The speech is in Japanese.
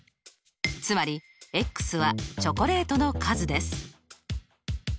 つまりはチョコレートの数です。